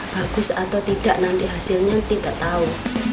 bagus atau tidak nanti hasilnya tidak tahu